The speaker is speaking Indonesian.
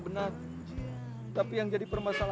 mengampuni dosa kami